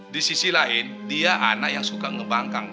di sisi lain dia anak yang suka ngebangkang